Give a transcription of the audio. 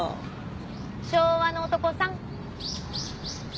昭和の男さん！